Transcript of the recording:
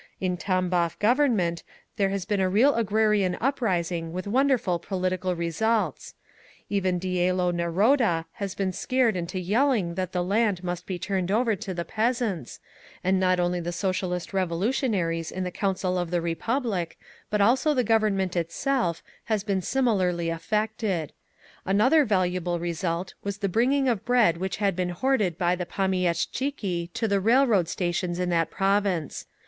In Tambov Government there has been a real agrarian uprising with wonderful political results…. Even Dielo Naroda has been scared into yelling that the land must be turned over to the peasants, and not only the Socialist Revolutionaries in the Council of the Republic, but also the Government itself, has been similarly affected. Another valuable result was the bringing of bread which had been hoarded by the pomieshtchiki to the railroad stations in that province.